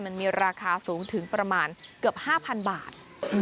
มันมีราคาสูงถึงประมาณเกือบ๕๐๐๐บาท